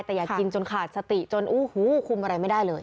แต่อยากกินจนขาดสติจนโอ้โหคุมอะไรไม่ได้เลย